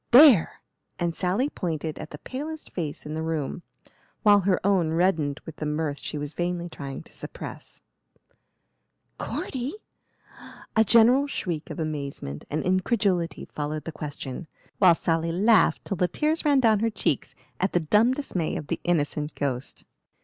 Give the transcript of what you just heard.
"There!" and Sally pointed at the palest face in the room, while her own reddened with the mirth she was vainly trying to suppress. "Cordy?" A general shriek of amazement and incredulity followed the question, while Sally laughed till the tears ran down her cheeks at the dumb dismay of the innocent ghost.